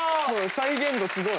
再現度すごい。